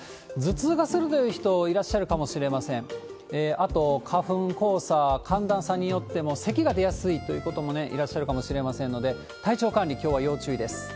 あと、花粉、黄砂、寒暖差によってもせきが出やすいという方もいらっしゃるかもしれませんので、体調管理、きょうは要注意です。